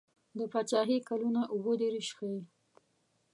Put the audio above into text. د پاچهي کلونه اووه دېرش ښيي.